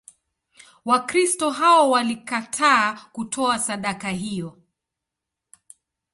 Wakristo hao walikataa kutoa sadaka hiyo.